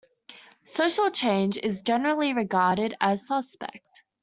Social change is generally regarded as suspect.